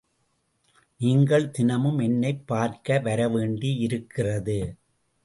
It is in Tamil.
நீங்கள் தினமும் என்னைப் பார்க்க வரவேண்டியிருக்கிறது.